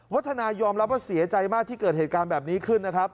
วัฒนายอมรับว่าเสียใจมากที่เกิดเหตุการณ์แบบนี้ขึ้นนะครับ